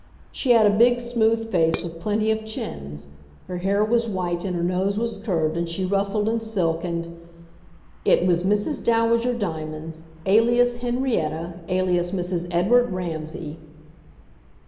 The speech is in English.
She had a big smooth face with plenty of chins. Her hair was white and her nose was curved and she rustled in silk and It was Mrs. Dowager Diamonds, alias Henrietta, alias Mrs. Edward Ramsay!